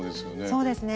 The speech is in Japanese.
そうですね。